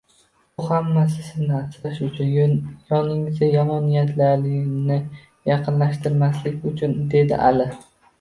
Bu hammasi sizni asrash uchun, yoningizga yomon niyatlilarni yaqinlashtirmaslik uchun, dedi Ali